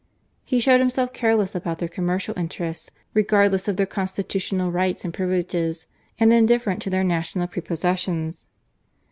He showed himself careless about their commercial interests, regardless of their constitutional rights and privileges, and indifferent to their national prepossessions.